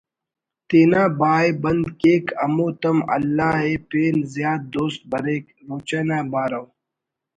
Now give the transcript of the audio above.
تینا باءِ بند کیک ہمو تم اللہ ءِ پین زیات دوست بریک…… روچہ نا بارو